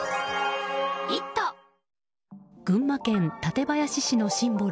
群馬県館林市のシンボル